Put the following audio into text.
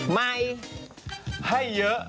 ไมค์ให้เยอะ